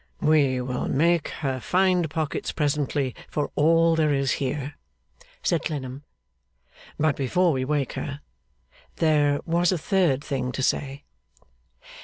'We will make her find pockets presently for all there is here,' said Clennam: 'but before we awake her, there was a third thing to say.